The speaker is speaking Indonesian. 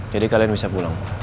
jadi kalian bisa pulang